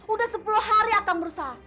udah sepuluh hari akan berusaha